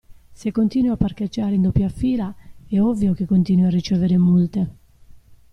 Se continui a parcheggiare in doppia fila, è ovvio che continui a ricevere multe.